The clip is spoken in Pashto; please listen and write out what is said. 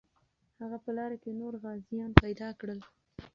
هغه په لاره کې نور غازیان پیدا کړل.